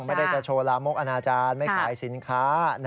ไม่ได้จะโชว์ลามกอนาจารย์ไม่ขายสินค้า